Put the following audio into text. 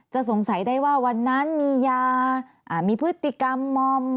สงสัยได้ว่าวันนั้นมียามีพฤติกรรมมอม